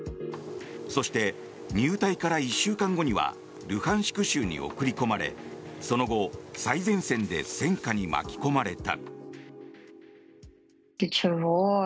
そして、入隊から１週間後にはルハンシク州に送り込まれその後最前線で戦火に巻き込まれた。